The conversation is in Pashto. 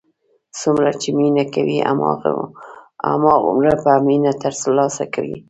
څومره چې مینه کوې، هماغومره به مینه تر لاسه کوې.